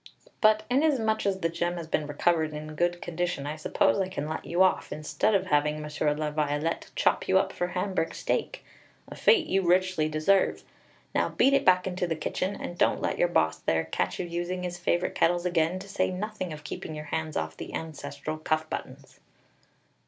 But inasmuch as the gem has been recovered in good condition, I suppose I can let you off, instead of having Monsieur La Violette chop you up for Hamburg steak, a fate you richly deserve. Now beat it back into the kitchen, and don't let your boss there catch you using his favorite kettles again, to say nothing of keeping your hands off the ancestral cuff buttons."